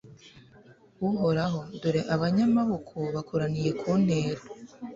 uhoraho, dore abanyamaboko bakoraniye kuntera